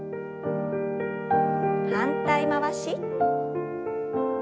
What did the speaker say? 反対回し。